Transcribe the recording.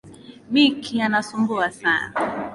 Micky anasumbua Sana.